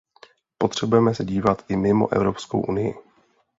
Potřebujeme se dívat i mimo Evropskou unii.